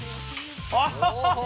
アハハハ。